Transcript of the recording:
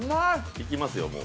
◆行きますよ、もう。